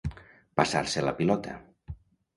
Passar-se la pilota.